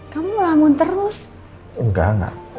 kamu lamun terus nggak nga